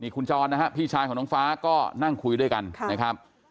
คุณจรนะฮะพี่ชายของน้องฟ้าก็นั่งคุยด้วยกันนะครับ